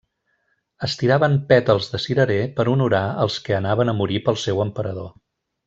Es tiraven pètals de cirerer per honorar els que anaven a morir pel seu emperador.